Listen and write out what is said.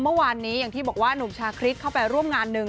เมื่อวานนี้อย่างที่บอกว่าหนุ่มชาคริสเข้าไปร่วมงานหนึ่ง